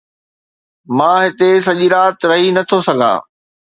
مان هتي سڄي رات رهي نه ٿو سگهان